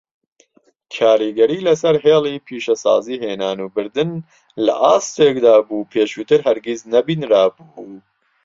کاریگەری لەسەر هێڵی پیشەسازی هێنان و بردن لە ئاستێکدا بوو پێشووتر هەرگیز نەبینرابوو.